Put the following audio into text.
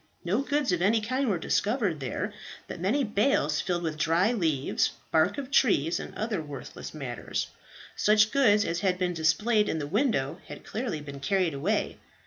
No goods of any kind were discovered there, but many bales filled with dried leaves, bark of trees, and other worthless matters. Such goods as had been displayed in the window had clearly been carried away.